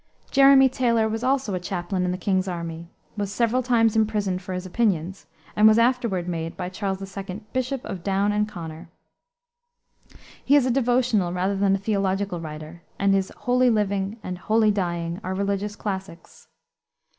Jeremy Taylor was also a chaplain in the king's army, was several times imprisoned for his opinions, and was afterward made, by Charles II., Bishop of Down and Connor. He is a devotional rather than a theological writer, and his Holy Living and Holy Dying are religious classics.